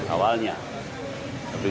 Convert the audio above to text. awalnya tapi ke sini